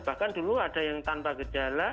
bahkan dulu ada yang tanpa gejala